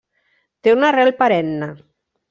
Té una arrel perenne.